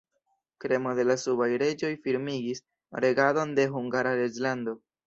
Kremo de la subaj reĝoj firmigis regadon de Hungara reĝlando.